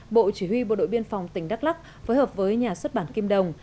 bộ chỉ huy bộ đội biên phòng tỉnh đắk lắc phối hợp với nhà xuất bản kim đồng